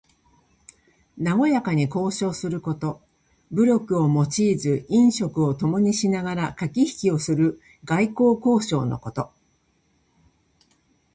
なごやかに交渉すること。武力を用いず飲食をともにしながらかけひきをする外交交渉のこと。